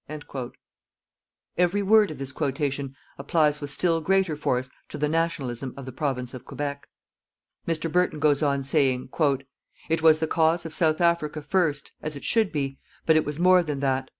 _" Every word of this quotation applies with still greater force to the "nationalism" of the Province of Quebec. Mr. Burton goes on saying: "_It was the cause of South Africa first as it should be but it was more than that.